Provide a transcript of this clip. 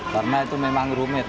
karena itu memang rumit